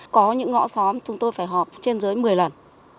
có những ngõ xóm chúng tôi phải họp trên dưới một mươi lần